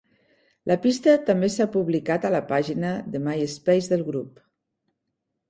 La pista també s'ha publicat a la pàgina de Myspace del grup.